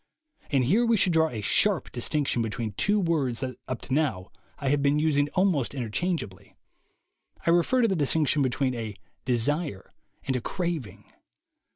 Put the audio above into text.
And here we should draw a sharp distinction between two words that up to now I have been using almost interchangeably. I refer to the distinction between a desire and a crazing.